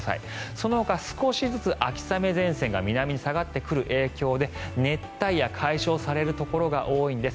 そのほか少しずつ秋雨前線が南に下がってくる影響で熱帯夜解消されるところが多いんです。